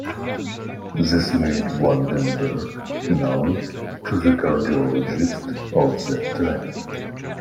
This made Van den Berg known to the cardiologists of that time.